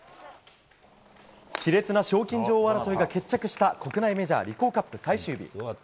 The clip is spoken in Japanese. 熾烈な賞金女王争いが決着した国内メジャーリコーカップ最終日。